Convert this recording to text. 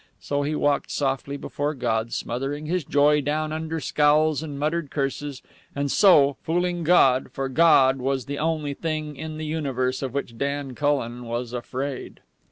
So he walked softly before God, smothering his joy down under scowls and muttered curses, and, so, fooling God, for God was the only thing in the universe of which Dan Cullen was afraid.